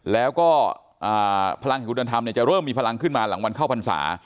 แล้วก็พลังแห่งคุณเดินธรรมจะเริ่มมีพลังขึ้นมาหลังวันเข้าพรรษา